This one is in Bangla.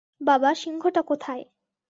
বাবা - সিংহটা কোথায়?